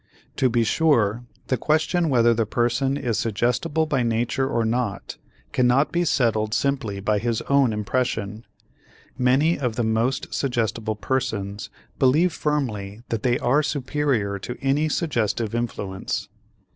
To be sure, the question whether the person is suggestible by nature or not cannot be settled simply by his own impression. Many of the most suggestible persons believe firmly that they are superior to any suggestive influence.